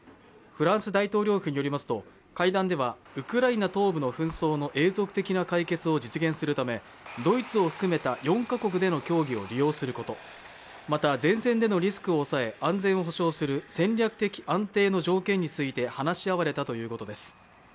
フランス大統領府によりますと会談ではウクライナ東部の紛争の永続的な解決を実現するためドイツを含めた４カ国での協議を利用すること、また、前線でのリスクを抑え、安全を保障する戦略的安定の条件について話し合われたということです。